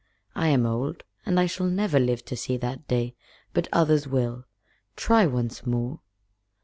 I am old, and I shall never live to see that day, but others will. Try once more."